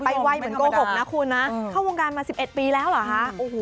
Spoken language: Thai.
ไวเหมือนโกหกนะคุณนะเข้าวงการมา๑๑ปีแล้วเหรอคะโอ้โห